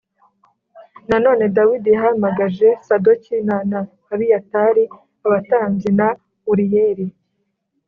Nanone Dawidi yahamagaje Sadoki n na Abiyatari abatambyi na Uriyeli